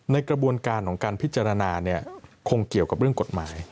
ในกระบวนการของการพิจารณาคงเกี่ยวกับเรื่องกฎหมาย